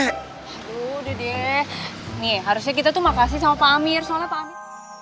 udah deh nih harusnya kita tuh makasih sama pak amir soalnya pak amir